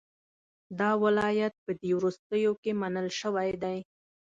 دا ولایت په دې وروستیو کې منل شوی دی.